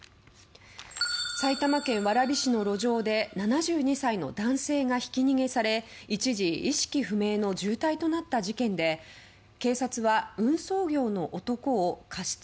埼玉県蕨市の路上で７２歳の男性がひき逃げされ一時、意識不明の重体となった事件で警察は運送業の男を過失